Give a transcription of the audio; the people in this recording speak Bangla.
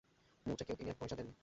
মুটেকেও তিনি এক পয়সা দেন নি।